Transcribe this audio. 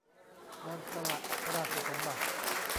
การสละราชสมบัติ